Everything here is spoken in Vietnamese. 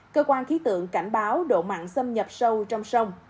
cơ quan khí tượng cảnh báo độ mặn xâm nhập sâu trong sông